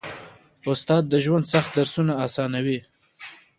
استاد د ژوند سخت درسونه اسانوي.